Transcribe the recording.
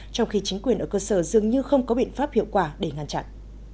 trong khi chính quyền ở cơ sở dường như không có biện pháp hiệu quả để ngăn chặn